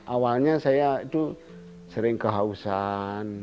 awalnya saya itu sering kehausan